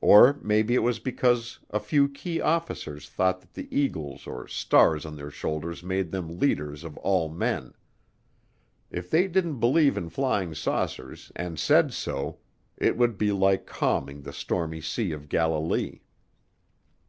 Or maybe it was because a few key officers thought that the eagles or stars on their shoulders made them leaders of all men. If they didn't believe in flying saucers and said so, it would be like calming the stormy Sea of Galilee.